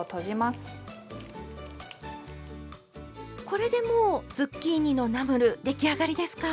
これでもうズッキーニのナムル出来上がりですか？